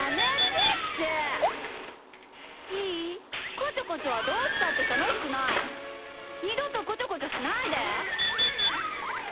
こちょこちょはどうしたってたのしくない！にどとこちょこちょしないで！